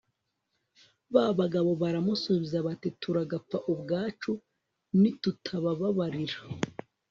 ba bagabo baramusubiza bati turagapfa ubwacu, nitutabababarira